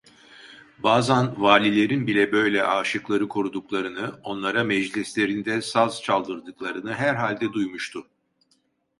Bazan valilerin bile böyle aşıkları koruduklarını, onlara meclislerinde saz çaldırdıklarını herhalde duymuştu.